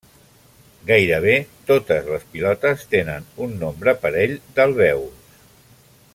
Gairebé totes les pilotes tenen un nombre parell d'alvèols.